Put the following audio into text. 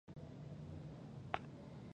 احمد شاه بابا د ډیرو جنګونو مشري کړې ده.